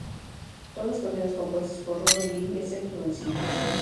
Todas las canciones compuestas por Roberto Livi, excepto donde se indica.